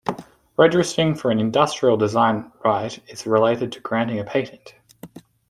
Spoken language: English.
Registering for an industrial design right is related to granting a patent.